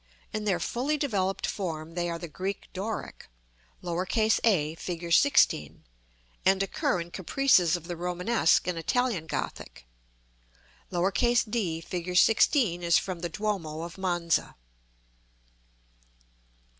In their fully developed form they are the Greek Doric, a, Fig. XVI., and occur in caprices of the Romanesque and Italian Gothic: d, Fig. XVI., is from the Duomo of Monza.